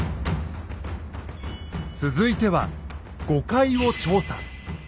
続いては５階を調査。